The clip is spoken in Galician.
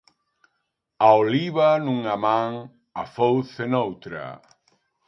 A oliva nunha man, a fouce noutra.